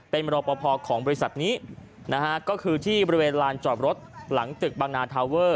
เป็นรอปภของบริษัทนี้นะฮะก็คือที่บริเวณลานจอดรถหลังตึกบางนาทาเวอร์